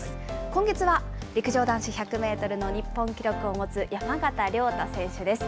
今月は、陸上男子１００メートルの日本記録を持つ山縣亮太選手です。